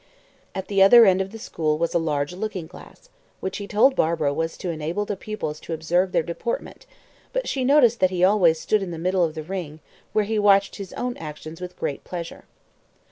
At the other end of the school was a large looking glass, which he told Barbara was to enable the pupils to observe their deportment; but she noticed that he always stood in the middle of the ring, where he watched his own actions with great pleasure.